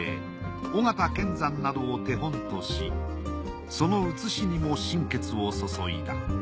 尾形乾山などを手本としその写しにも心血を注いだ。